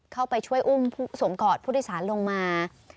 เข้าไปช่วยอุ้มสวมกอดผู้โดยสารลงมา